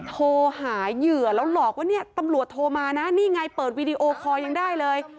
โทรหาเหยื่อแล้วหลอกว่าเนี่ยตำรวจโทรมานะนี่ไงเปิดวีดีโอคอร์ยังได้เลย